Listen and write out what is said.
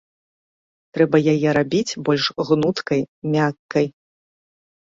Трэба яе рабіць больш гнуткай, мяккай.